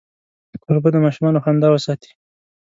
کوربه د ماشومانو خندا وساتي.